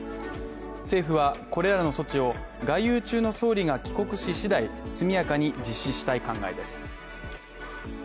政府はこれらの措置を外遊中の総理が帰国し次第速やかに実施したい考えです。